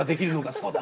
そうだ！